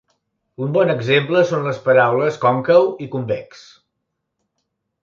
Un bon exemple són les paraules "còncau" i "convex".